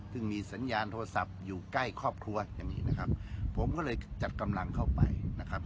ซึ่งมีสัญญาณโทรศัพท์อยู่ใกล้ครอบครัวอย่างนี้นะครับผมก็เลยจัดกำลังเข้าไปนะครับ